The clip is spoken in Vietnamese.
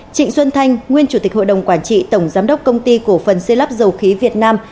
trịnh xuân thanh nguyên chủ tịch hội đồng quản trị tổng giám đốc công ty cổ phần xây lắp dầu khí việt nam